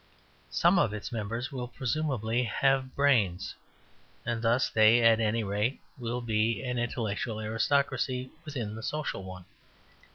Some of its members will presumably have brains, and thus they, at any rate, will be an intellectual aristocracy within the social one.